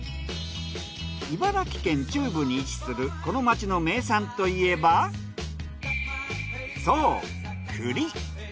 茨城県中部に位置するこの町の名産といえばそう栗。